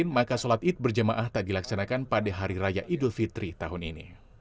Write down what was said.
maka sholat id berjamaah tak dilaksanakan pada hari raya idul fitri tahun ini